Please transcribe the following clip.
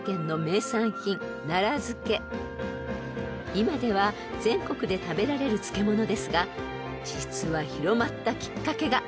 ［今では全国で食べられる漬物ですが実は広まったきっかけが家康なんだそうです］